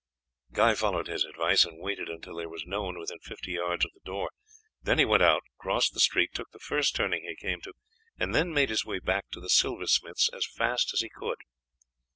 Guy followed his advice, and waited until there was no one within fifty yards of the door, then he went out, crossed the street, took the first turning he came to, and then made his way back to the silversmith's as fast as he could.